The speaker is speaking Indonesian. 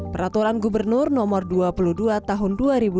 peraturan gubernur nomor dua puluh dua tahun dua ribu dua puluh